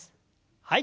はい。